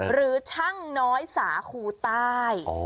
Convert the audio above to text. หรือช่างน้อยสาคูใต้